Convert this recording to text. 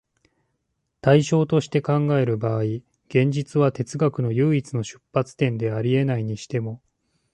対象として考える場合、現実は哲学の唯一の出発点であり得ないにしても、